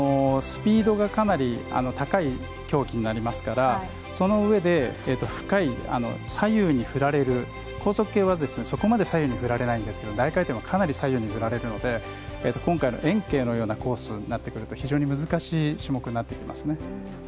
スピードがかなり高い競技になりますからそのうえで深い左右に振られる高速系はそこまで左右に振られないんですが大回転はかなり左右に振られるので今回の延慶のようなコースだと非常に難しい種目になりますね。